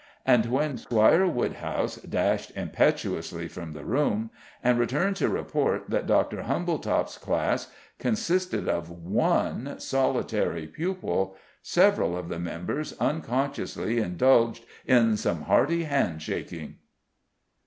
And when Squire Woodhouse dashed impetuously from the room, and returned to report that Dr. Humbletop's class consisted of one solitary pupil, several of the members unconsciously indulged in some hearty hand shaking.